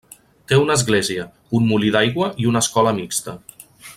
Té una església, un molí d'aigua i una escola mixta.